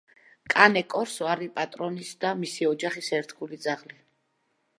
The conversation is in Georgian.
კანე კორსო არის პატრონის და მისი ოჯახის ერთგული ძაღლი.